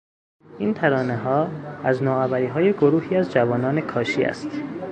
این ترانهها از نوآوریهای گروهی از جوانان کاشی است.